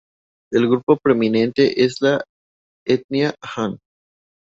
El grupo preeminente es la etnia han.